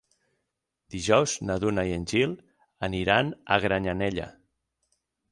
Dijous na Duna i en Gil aniran a Granyanella.